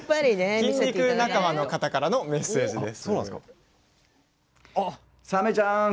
筋肉仲間の方からのメッセージです。